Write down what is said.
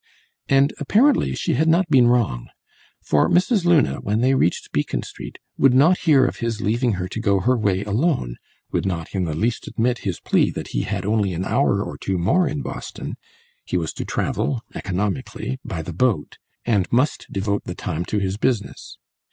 And apparently she had not been wrong; for Mrs. Luna, when they reached Beacon Street, would not hear of his leaving her to go her way alone, would not in the least admit his plea that he had only an hour or two more in Boston (he was to travel, economically, by the boat) and must devote the time to his business.